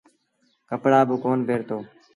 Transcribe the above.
ڪپڙآ با ڪونا پهرتو۔